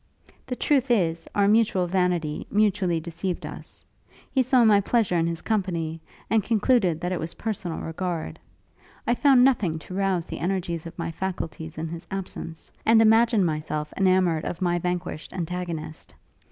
The truth is, our mutual vanity mutually deceived us: he saw my pleasure in his company, and concluded that it was personal regard: I found nothing to rouse the energies of my faculties in his absence, and imagined myself enamoured of my vanquished antagonist.